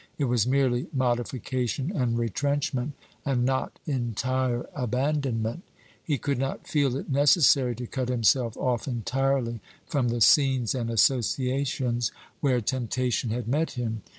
It was merely modification and retrenchment, and not entire abandonment. He could not feel it necessary to cut himself off entirely from the scenes and associations where temptation had met him.